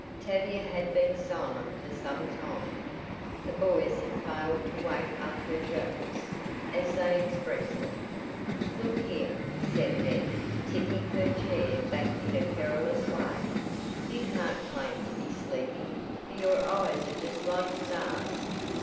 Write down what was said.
Tavia had been silent for some time. The boys had failed to "wake up her jokes," as they expressed it. "Look here," said Ned tipping her chair back in a perilous way. "You can't claim to be sleepy for your eyes are just like stars.